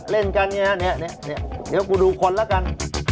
เล่นกันไงฮะนี่เดี๋ยวกูดูคนละกัน